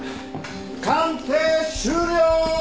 鑑定終了！